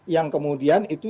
yang kemudian itu